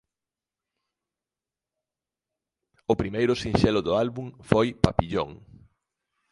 O primeiro sinxelo do álbum foi "Papillon".